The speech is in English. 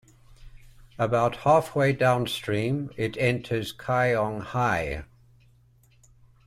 About half way downstream, it enters Qionghai.